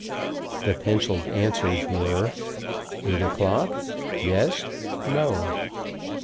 The pencilled answers were: "Eight o'clock. Yes. No."